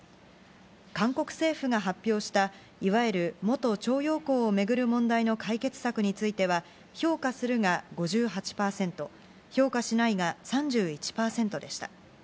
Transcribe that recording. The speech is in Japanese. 韓国政府が発表したいわゆる元徴用工を巡る問題の解決策については、評価するが５８％、評価しないが３１％でした。